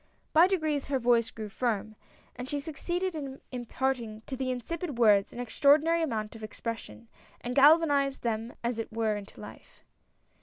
By degrees her voice grew firm, and she succeeded 90 A NEW IDEA. in imparting to the insipid words an extraordinary amount of expression, and galvanized them as it were into life.